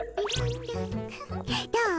どう？